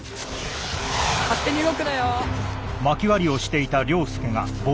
勝手に動くなよ！